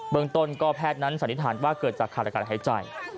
เมืองต้นก็แพทย์นั้นสันนิษฐานว่าเกิดจากขาดอากาศหายใจ